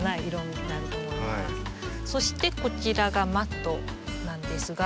そしてこちらがマットなんですが。